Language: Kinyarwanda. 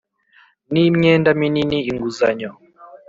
n imyenda minini Inguzanyo